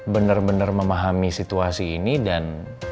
bener bener memahami situasi ini dan